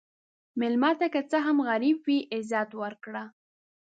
مېلمه ته که څه هم غریب وي، عزت ورکړه.